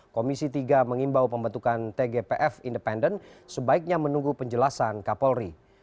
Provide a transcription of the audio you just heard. komisi tiga mengimbau pembentukan tgpf independen sebaiknya menunggu penjelasan kapolri